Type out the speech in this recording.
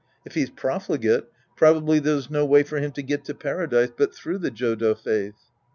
If he's profligate, probably there's no way for him to get to Paradise but through the Jodo faith.